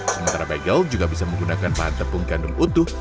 sementara bagel juga bisa menggunakan bahan tepung gandum utuh